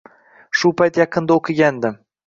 Shu payt yaqinda o‘qigandim.